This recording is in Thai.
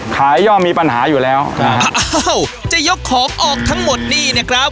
ย่อมีปัญหาอยู่แล้วอ้าวจะยกของออกทั้งหมดนี่นะครับ